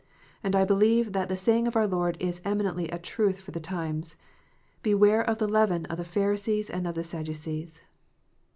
And I believe that the saying of our Lord is eminently a truth for the times :" Beware of the leaven of the Pharisees and of the Sadducees."